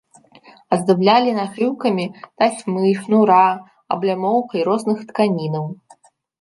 Аздаблялі нашыўкамі тасьмы, шнура, аблямоўкай розных тканінаў.